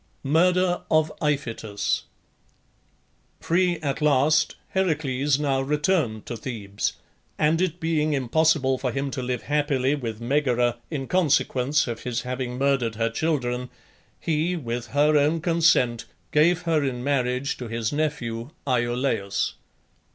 MURDER OF IPHITUS. Free at last Heracles now returned to Thebes; and it being impossible for him to live happily with Megara in consequence of his having murdered her children he, with her own consent, gave her in marriage to his nephew Iolaus.